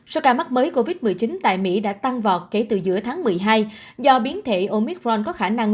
số ca mắc mới covid một mươi chín tại mỹ đã tăng vọt kể từ giữa tháng một mươi hai do biến thể omicron có khả năng